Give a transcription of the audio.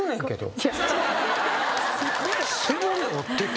背骨折ってて？